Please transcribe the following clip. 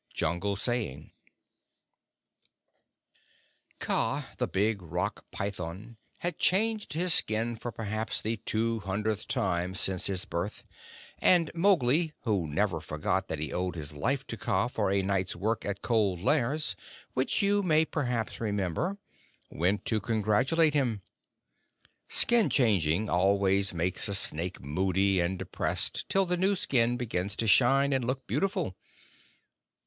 Jungle Saying. THE KING'S ANKUS Kaa, the big Rock Python, had changed his skin for perhaps the two hundredth time since his birth; and Mowgli, who never forgot that he owed his life to Kaa for a night's work at Cold Lairs, which you may perhaps remember, went to congratulate him. Skin changing always makes a snake moody and depressed till the new skin begins to shine and look beautiful.